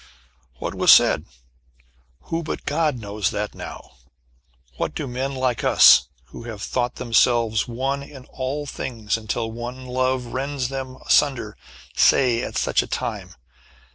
What was said? Who but God knows that now? What do men like us, who have thought themselves one in all things, until one love rends them asunder, say at such a time?